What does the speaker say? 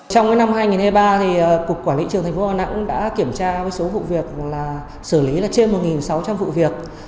trong năm hai nghìn hai mươi ba cục quản lý trường thành phố đà nẵng đã kiểm tra với số vụ việc là xử lý trên một sáu trăm linh vụ việc